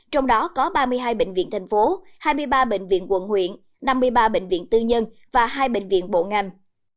trong đó có ba mươi hai bệnh viện thành phố hai mươi ba bệnh viện quận huyện năm mươi ba bệnh viện tư nhân và hai bệnh viện bộ ngành